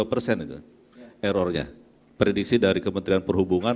errornya prediksi dari kementerian perhubungan